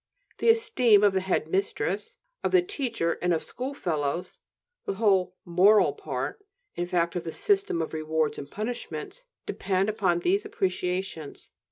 The "esteem" of the head mistress, of the teacher and of schoolfellows, the whole "moral" part, in fact, of the system of rewards and punishments, depend upon these appreciations.